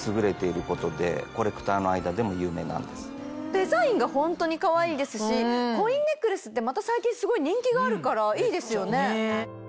デザインがホントにかわいいですしコインネックレスってまた最近すごい人気があるからいいですよね。ねぇ！